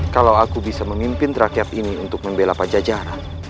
kalau aku bisa memimpin rakyat ini untuk membela pajajaran